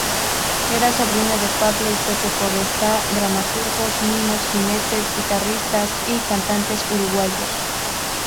Era sobrina de Pablo y Pepe Podestá, dramaturgos, mimos, jinetes, guitarristas y cantantes uruguayos.